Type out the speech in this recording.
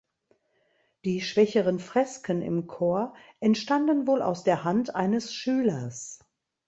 Die schwächeren Fresken im Chor entstanden wohl aus der Hand eines Schülers.